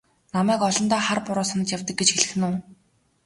Намайг олондоо хар буруу санаж явдаг гэж хэлэх нь үү?